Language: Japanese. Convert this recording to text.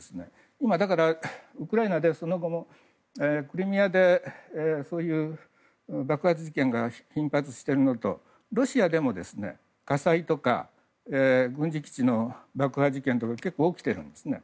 今、ウクライナでその後もクリミアで爆発事件が頻発しているのとロシアでも、火災とか軍事基地の爆破事件とかが結構起きているんですね。